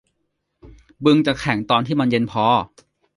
บึงจะแข็งตอนที่มันเย็นพอ